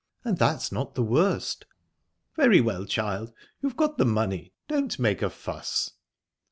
And that's not the worst..." "Very well, child. You've got the money don't make a fuss."